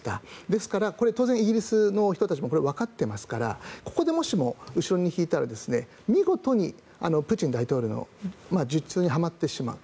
ですから、これは当然イギリスの人たちもこれはわかっていますからここでもしも後ろに引いたら見事にプーチン大統領の術中にはまってしまう。